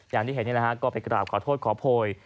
อย่างที่เห็นนี่แหละฮะก็ไปกราบขอโทษขอโพย